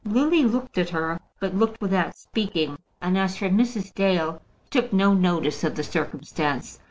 Lily looked at her, but looked without speaking; and as for Mrs. Dale, she took no notice of the circumstance.